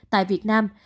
tại việt nam